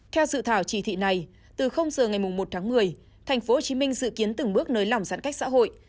theo dự thảo chỉ thị này từ giờ ngày một tháng một mươi tp hcm dự kiến từng bước nới lỏng giãn cách xã hội